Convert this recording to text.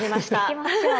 行きましょう！